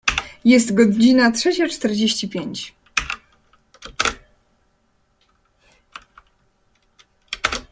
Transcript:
Jest godzina trzecia czterdzieści pięć.